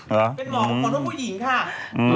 ไม่มีนาบเลย